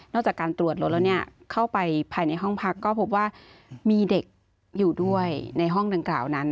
จากการตรวจรถแล้วเข้าไปภายในห้องพักก็พบว่ามีเด็กอยู่ด้วยในห้องดังกล่าวนั้น